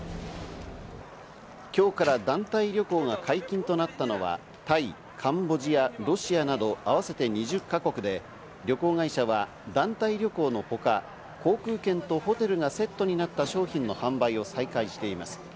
今日から団体旅行が解禁となったのはタイ、カンボジア、ロシアなど合わせて２０か国で、旅行会社は団体旅行のほか、航空券とホテルがセットになった商品の販売を再開しています。